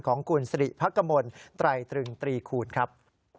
ของกุญศรีพักกมลไตรตรึง๓คูณครับ